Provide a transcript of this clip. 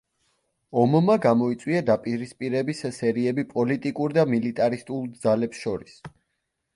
ომმა გამოიწვია დაპირისპირებების სერიები პოლიტიკურ და მილიტარისტულ ძალებს შორის.